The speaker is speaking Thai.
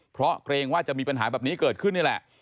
เพราะเกรงว่าจะมีปัญหาแบบนี้เกิดขึ้นนี่แหละ